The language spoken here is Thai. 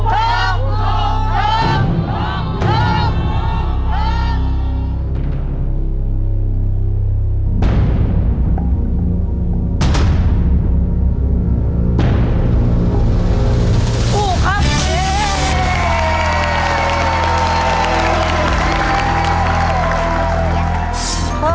ทุกครับ